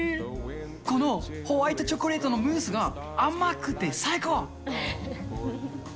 このホワイトチョコレートのムースが甘くて最高。